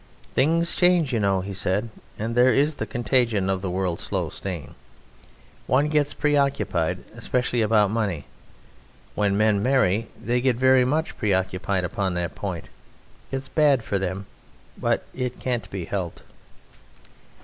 "Things change, you know," he said, "and there is the contagion of the world's slow stain. One gets preoccupied: especially about money. When men marry they get very much preoccupied upon that point. It's bad for them, but it can't be helped."